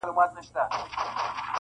زه هوسۍ له لوړو څوکو پرزومه-